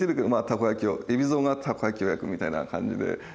たこ焼きを海老蔵がたこ焼きを焼くみたいな感じで。